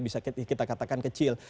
bisa kita katakan kecil